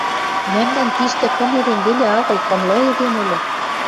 Мӓмнӓн тиштӹ кым эдем веле агыл, кымлы эдем улы.